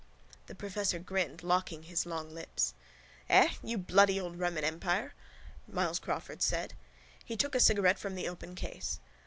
The professor grinned, locking his long lips. —Eh? You bloody old Roman empire? Myles Crawford said. He took a cigarette from the open case.